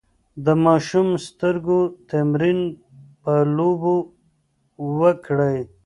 د ماشوم د سترګو تمرين په لوبو وکړئ.